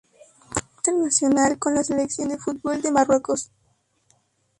Fue internacional con la Selección de fútbol de Marruecos.